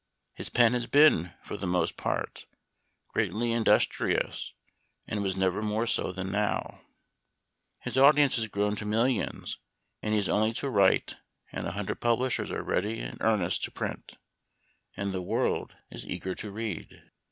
His pen has been, for the most part, greatly industrious, and was never more so than now. His audience has Memoir of Washington Irving. 247 grown to millions, and he has only to write, and a hundred publishers are ready and earnest to print, and the world is eager to read.